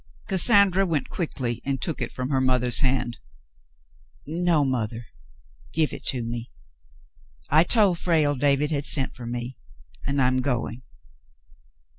Cassandra went quickly and took it from her mother's hand. "No, mother, give it to me. I told Frale David had sent for me, and I'm going."